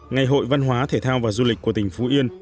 ngày hội văn hóa thể thao và du lịch của tỉnh phú yên